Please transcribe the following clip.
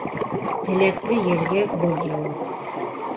Теләкле ергә боҙ яуыр.